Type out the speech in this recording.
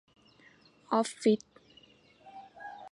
ออฟฟิศ